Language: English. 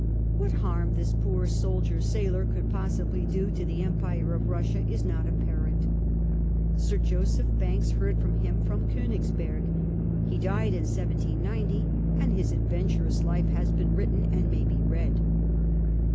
What harm this poor soldier sailor could possibly do to the empire of Russia is not apparent. Sir Joseph Banks heard from him from Konigsbeig. He died in 1790, and his adven turous life has been written and may be read.